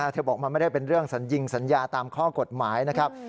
เธอบอกมันไม่ได้เป็นเรื่องสัญญิงสัญญาตามข้อกฎหมายนะครับ